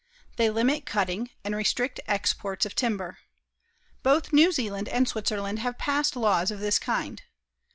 They limit cutting and restrict exports of timber. Both New Zealand and Switzerland have passed laws of this kind.